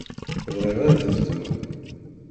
Bɣiɣ ad bduɣ.